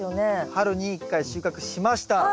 春に１回収穫しました。